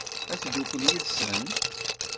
Ad teddukel yid-sent?